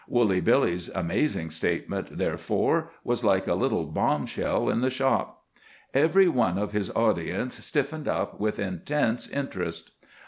Woolly Billy's amazing statement, therefore, was like a little bombshell in the shop. Every one of his audience stiffened up with intense interest.